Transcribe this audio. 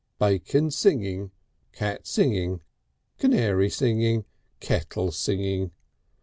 Bacon singing, cat singing, canary singing. Kettle singing.